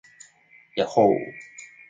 yahhoo